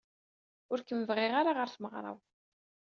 Ur kem-bɣiɣ ara ɣer tmeɣra-w.